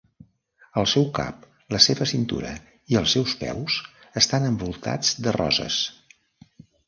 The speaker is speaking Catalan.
El seu cap, la seva cintura i els seus peus estan envoltats de roses.